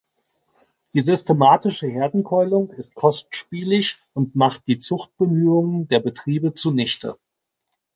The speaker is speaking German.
Die systematische Herdenkeulung ist kostspielig und macht die Zuchtbemühungen der Betriebe zunichte.